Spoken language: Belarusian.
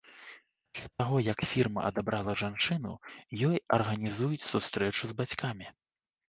Пасля таго як фірма адабрала жанчыну, ёй арганізуюць сустрэчу з бацькамі.